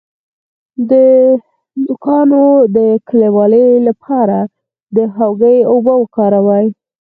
د نوکانو د کلکوالي لپاره د هوږې اوبه وکاروئ